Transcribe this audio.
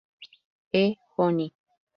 E. Honey.